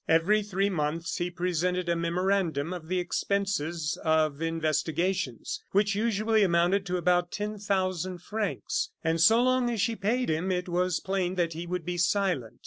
Every three months he presented a memorandum of the expenses of investigations, which usually amounted to about ten thousand francs; and so long as she paid him it was plain that he would be silent.